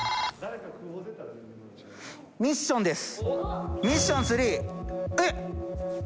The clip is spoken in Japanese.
ミッションです。